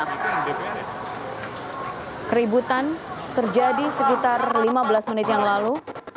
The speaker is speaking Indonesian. hai keributan terjadi sekitar lima belas menit yang lalu